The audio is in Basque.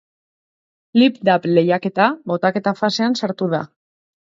Lipdub lehiaketa botaketa fasean sartu da.